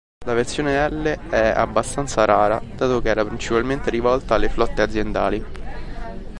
La versione "L" è abbastanza rara, dato che era principalmente rivolta alle flotte aziendali.